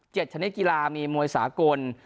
ชนิดกีฬามีมวยสากล